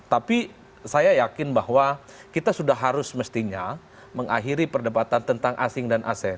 tapi saya yakin bahwa kita sudah harus mestinya mengakhiri perdebatan tentang asing dan asean